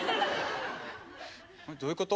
どういうこと？